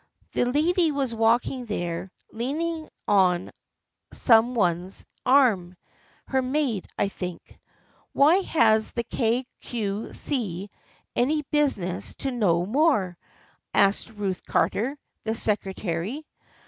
The lady was walking there, leaning on some one's arm. Her maid, I think." " Why has the Kay Cue See any business to know more ?" asked Ruth Carter, the secretary.